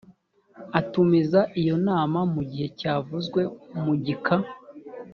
atumiza iyo nama mu gihe cyavuzwe mu gika